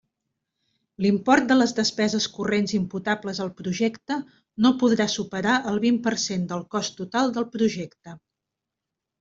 L'import de les despeses corrents imputables al projecte no podrà superar el vint per cent del cost total del projecte.